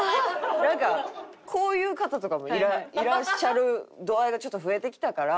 なんかこういう方とかもいらっしゃる度合いがちょっと増えてきたから。